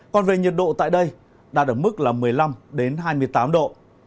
còn về nhiệt độ tại đây đạt ở mức một mươi năm hai mươi tám độ